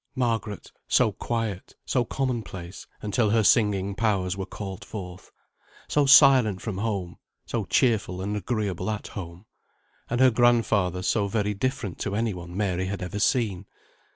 Margaret, so quiet, so common place, until her singing powers were called forth; so silent from home, so cheerful and agreeable at home; and her grandfather so very different to any one Mary had ever seen.